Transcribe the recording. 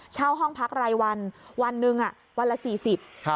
เช่าห้องพักรายวันวันหนึ่งวันละ๔๐